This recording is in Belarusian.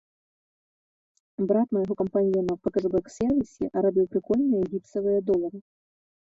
Брат майго кампаньёна па кэшбэк-сервісе рабіў прыкольныя гіпсавыя долары.